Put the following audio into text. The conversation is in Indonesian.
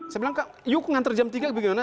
saya bilang kak yuk ngantar jam tiga ke beginian